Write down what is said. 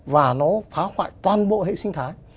và nó phá hoại toàn bộ hệ sinh thái